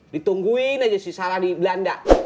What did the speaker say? ditungguin aja sih sarah di belanda